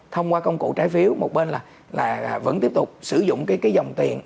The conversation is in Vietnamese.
thông qua công cụ trái phiếu một bên là vẫn tiếp tục sử dụng cái dòng tiền